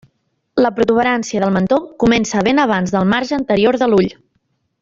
La protuberància del mentó comença ben abans del marge anterior de l'ull.